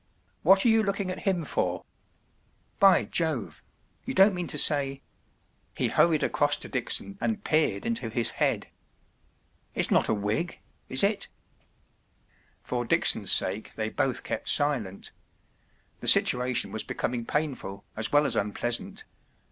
What are you looking at him for ? By Jove ! You don’t mean to say ” He hurried across to Dickson and peered into his head. “ It’s not a wig—is it ? ” For Dickson’s sake they both kept silent. The situation was becoming painful, as well as unpleasant.